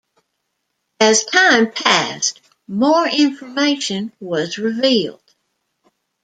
As time passed more information was revealed.